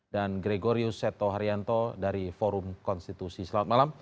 dan gregorius seto haryanto dari forum konstitusi selamat malam